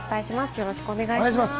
よろしくお願いします。